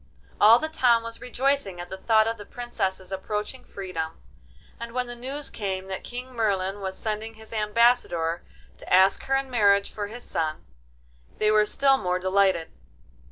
All the town was rejoicing at the thought of the Princess's approaching freedom, and when the news came that King Merlin was sending his ambassador to ask her in marriage for his son, they were still more delighted.